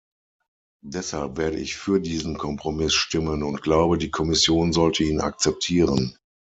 Deshalb werde ich für diesen Kompromiss stimmen und glaube, die Kommission sollte ihn akzeptieren.